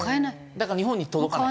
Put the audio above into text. だから日本に届かない。